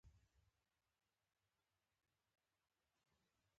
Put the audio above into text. نرمه خبره زخم جوړوي